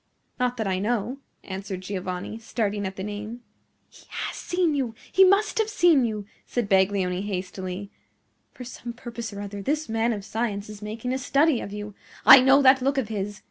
"Not that I know," answered Giovanni, starting at the name. "He HAS seen you! he must have seen you!" said Baglioni, hastily. "For some purpose or other, this man of science is making a study of you. I know that look of his!